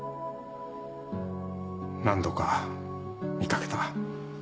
何度か見掛けた。